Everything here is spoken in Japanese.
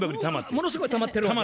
ものすごいたまってるわけや。